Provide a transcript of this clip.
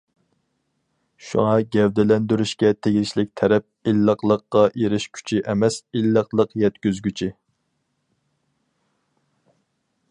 شۇڭا گەۋدىلەندۈرۈشكە تېگىشلىك تەرەپ ئىللىقلىققا ئېرىشكۈچى ئەمەس، ئىللىقلىق يەتكۈزگۈچى.